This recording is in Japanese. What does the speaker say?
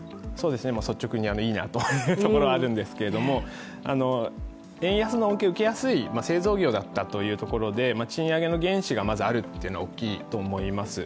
率直にいいなというところはあるんですけれども、円安の恩恵を受けやすい製造業だったというところで賃上げの原資があるというのが大きいと思います。